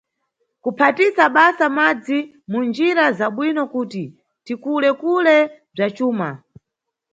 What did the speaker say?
Kuphatisa basa madzi munjira za bwino kuti titukule bza cuma.